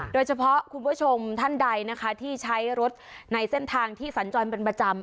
โดยเฉพาะคุณผู้ชมท่านใดนะคะที่ใช้รถในเส้นทางที่สัญจรประจำ